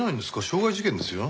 傷害事件ですよ。